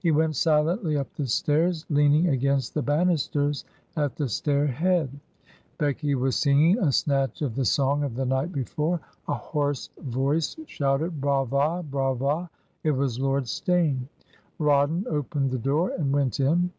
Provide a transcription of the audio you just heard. He went silently up the stairs, lean ing against the banisters at the stair head. ... Becky was singing a snatch of the song of the night before; a hoarse voice shouted 'Braval Braval' — ^it was Lord Steyne. Rawdon opened the door and went in.